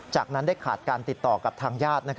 จากนั้นได้ขาดการติดต่อกับทางญาติ